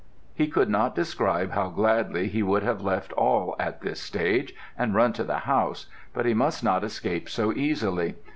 "He could not describe how gladly he would have left all at this stage and run to the house, but he must not escape so easily.